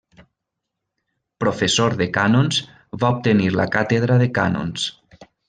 Professor de cànons, va obtenir la càtedra de cànons.